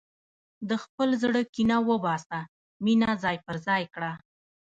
د خپل زړه کینه وباسه، مینه ځای پر ځای کړه.